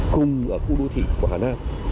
cùng ở khu đô thị của hà nam